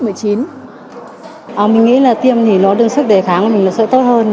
mình nghĩ là tiêm thì nó đưa sức đề kháng mình sẽ tốt hơn